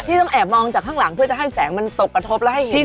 ต้องแอบมองจากข้างหลังเพื่อจะให้แสงมันตกกระทบแล้วให้เห็น